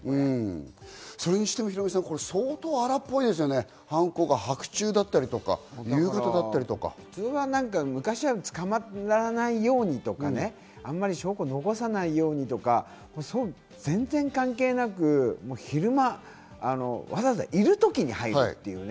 それにしてもヒロミさん、相当荒っぽいですね、犯行が白昼だった昔は普通、捕まらないようにとか、証拠を残さないようにとか、全然関係なく昼間、わざわざ居るときに入るっていうね。